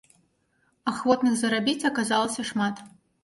Ахвотных зарабіць аказалася шмат.